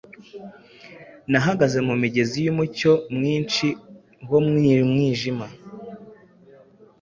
Nahagaze mumigezi Yumucyo mwinshi wo mwijuru,